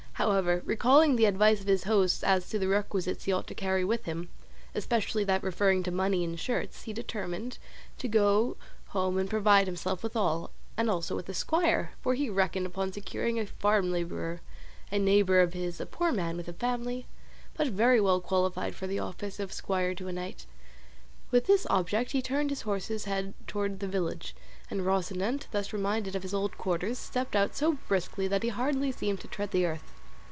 However, recalling the advice of his host as to the requisites he ought to carry with him, especially that referring to money and shirts, he determined to go home and provide himself with all, and also with a squire, for he reckoned upon securing a farm labourer, a neighbour of his, a poor man with a family, but very well qualified for the office of squire to a knight. With this object he turned his horse's head towards his village, and Rocinante, thus reminded of his old quarters, stepped out so briskly that he hardly seemed to tread the earth.